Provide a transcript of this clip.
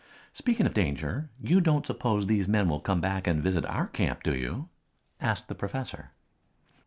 "Speaking of danger, you don't suppose these men will come back and visit our camp, do you?" asked the professor.